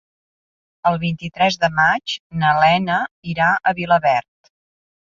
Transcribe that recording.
El vint-i-tres de maig na Lena irà a Vilaverd.